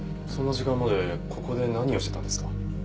そんな時間までここで何をしてたんですか？